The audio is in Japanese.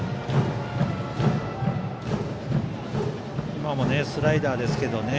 今もスライダーですけどね